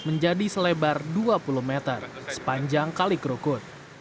menjadi selebar dua puluh meter sepanjang kalik krukut